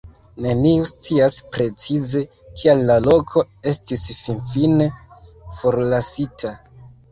Neniu scias precize, kial la loko estis finfine forlasita.